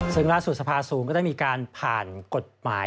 ซึ่งล่าสุดสภาสูงก็ได้มีการผ่านกฎหมาย